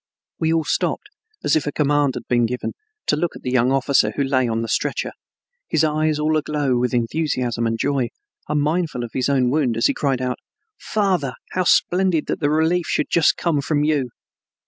We all stopped as if a command had been given, to look at the young officer who lay on the stretcher, his eyes all aglow with enthusiasm and joy, unmindful of his own wound as he cried out, "Father, how splendid that the relief should just come from you!